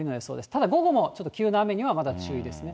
ただ午後もちょっと急な雨にはまだ注意ですね。